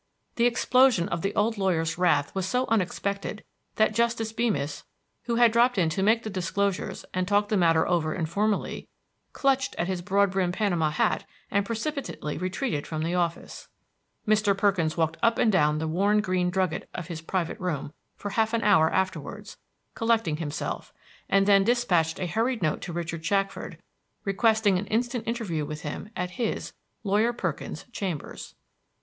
The explosion of the old lawyer's wrath was so unexpected that Justice Beemis, who had dropped in to make the disclosures and talk the matter over informally, clutched at his broad brimmed Panama hat and precipitately retreated from the office. Mr. Perkins walked up and down the worn green drugget of his private room for half an hour afterwards, collecting himself, and then dispatched a hurried note to Richard Shackford, requesting an instant interview with him at his, Lawyer Perkins's, chambers.